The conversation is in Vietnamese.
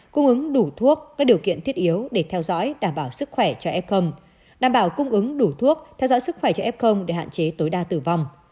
cung ứng đủ thuốc các điều kiện thiết yếu để theo dõi đảm bảo sức khỏe cho f đảm bảo cung ứng đủ thuốc theo dõi sức khỏe cho f để hạn chế tối đa tử vong